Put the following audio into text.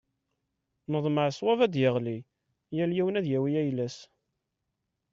Neḍmeɛ ṣṣwab ad d-yeɣli, yal yiwen ad yawi ayla-s.